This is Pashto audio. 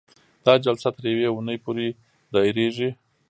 دا جلسه تر یوې اونۍ پورې دایریږي.